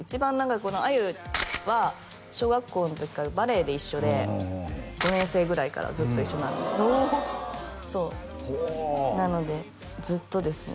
このあゆは小学校の時からバレエで一緒で５年生ぐらいからずっと一緒なんでおおそうなのでずっとですね